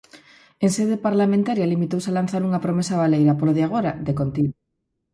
En sede parlamentaria limitouse a lanzar unha promesa baleira, polo de agora, de contido.